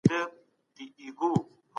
ملي شورا نظامي تمرینات نه ترسره کوي.